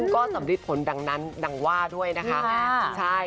ก็สำริดผลดังนั้นดังว่าด้วยนะคะ